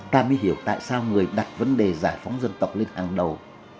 ta mới hiểu tại sao người đặt vấn đề giải phóng dân tộc lên hàng đầu